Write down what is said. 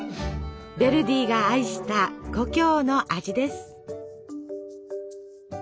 ヴェルディが愛した故郷の味です。